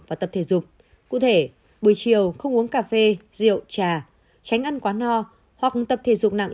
và tập thể dục cụ thể buổi chiều không uống cà phê rượu trà tránh ăn quá no hoặc tập thể dục nặng